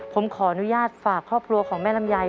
ผมขออนุญาตฝากครอบครัวของแม่ลำไย